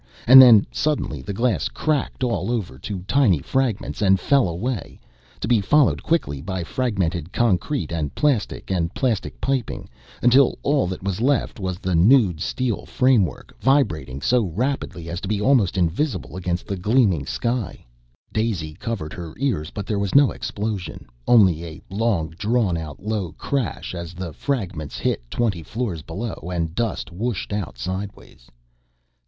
and then suddenly the glass cracked all over to tiny fragments and fell away, to be followed quickly by fragmented concrete and plastic and plastic piping, until all that was left was the nude steel framework, vibrating so rapidly as to be almost invisible against the gleaming lake. Daisy covered her ears, but there was no explosion, only a long drawn out low crash as the fragments hit twenty floors below and dust whooshed out sideways.